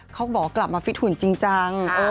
เขาบอกว่ากลับมาฟิตหุ่นจริงจัง